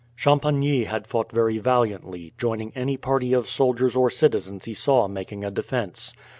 Champagny had fought very valiantly, joining any party of soldiers or citizens he saw making a defence.